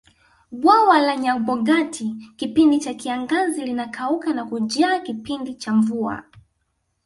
bwawa la nyabogati kipindi cha kiangazi linakauka na kujaa kipindi cha mvua